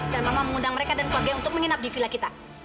dan mama mengundang mereka dan keluarga untuk menginap di vila kita